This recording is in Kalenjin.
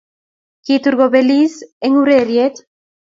kitur kobelis eng ureriet